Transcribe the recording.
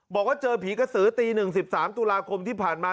บอกว่าเจอผีกระสือตี๑๓ตุลาคมที่ผ่านมา